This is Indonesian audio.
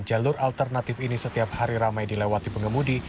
jalur alternatif ini setiap hari ramai dilewati pengemudi